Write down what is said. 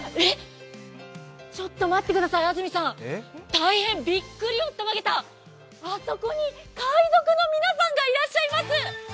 ちょっと待ってください、安住さん大変、びっくり、おったまげた、あそこに海賊の皆さんがいらっしゃいます。